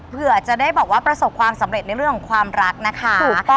เผื่อจะได้แบบว่าประสบความสำเร็จในเรื่องของความรักนะคะ